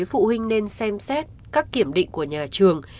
phụ huynh nên xem xét các kiểm định của nhà trường